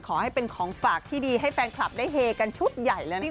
ขอให้เป็นของฝากที่ดีให้แฟนคลับได้เฮกันชุดใหญ่เลยนะคะ